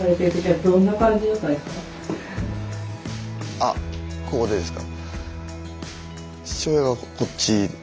あここでですか？